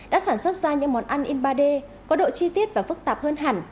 đã sản xuất ra những món ăn in ba d có độ chi tiết và phức tạp hơn hẳn